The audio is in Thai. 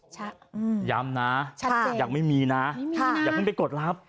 ชัดเจดยังไม่มีนะอย่าเพิ่งไปกดลับ